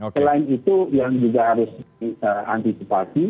selain itu yang juga harus diantisipasi